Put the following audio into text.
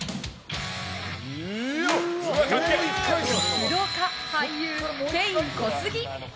武闘家、俳優ケイン・コスギ。